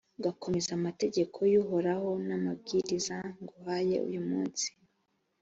ugakomeza amategeko y’uhoraho n’amabwiriza nguhaye uyu munsi